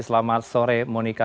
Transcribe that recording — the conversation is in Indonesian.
selamat sore monika